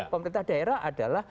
pemerintah daerah adalah